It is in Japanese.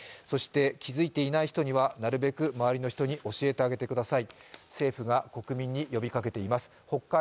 そして気付いていない人には、なるべく周りの人に教えてあげてください。